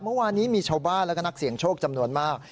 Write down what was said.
เมื่อวานนี้มีชาวบ้านและก็นักเสี่ยงโชคจำนวนมาก